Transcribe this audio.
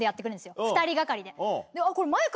２人がかりで。